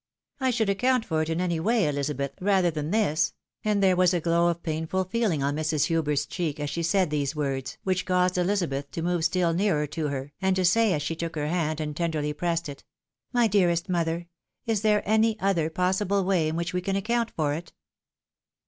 " I should account for it in any way, Elizabeth, rather than this," and there was a glow of painful feehng on Mrs. Hubert's cheek as she said these words, which caused Elizabeth to move still nearer to her, and to say as she took her hand and tenderly pressed it, " My dearest mother, is there any other possible way in which we can account for it